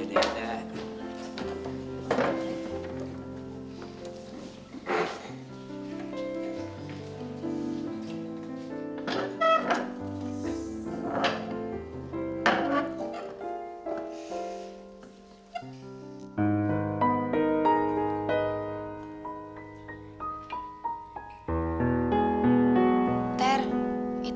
katanya kayak pegar inti